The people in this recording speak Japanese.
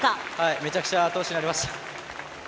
めちゃくちゃ後押しになりました。